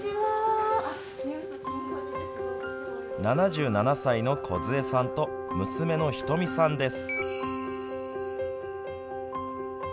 ７７歳のこずえさんと娘のひとみさんです。